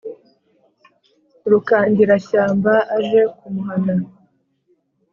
Rukangirashyamba aje kumuhana